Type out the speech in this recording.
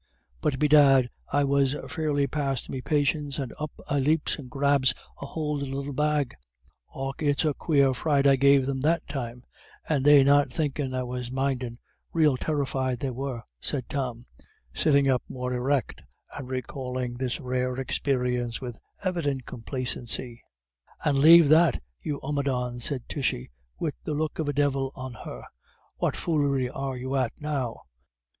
But bedad I was fairly past me patience, and up I leps, and I grabbed a hould of the little bag. Och it's a quare fright I gave them that time, and they not thinkin' I was mindin', rael terrified they were," said Tom, sitting up more erect, and recalling this rare experience with evident complacency. "And 'Lave that, you omadhawn,' sez Tishy, wid the look of a divil on her,' what foolery are you at now?'